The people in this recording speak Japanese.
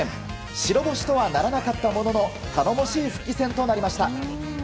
白星とはならなかったものの頼もしい復帰戦となりました。